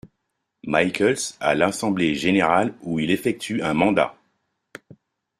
Michael's à l'Assemblée générale, où il effectue un mandat.